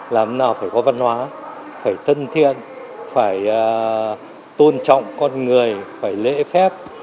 làm nào phải có văn hóa phải thân thiện phải tôn trọng con người phải lễ phép